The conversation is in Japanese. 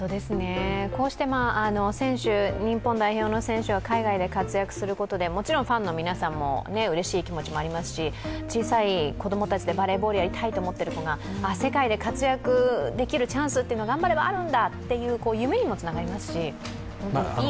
こうして日本代表の選手が海外で活躍することでもちろんファンの皆さんもうれしい気持ちもありますし小さい子供たちでバレーボールやりたいと思っている子たちが世界で活躍できるチャンスが頑張ればあるんだというのが夢にもつながりますし、いいことしかない。